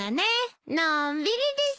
のんびりです。